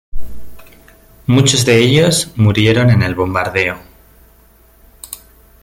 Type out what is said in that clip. Muchos de ellos murieron en el bombardeo.